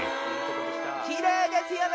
きれいですよね。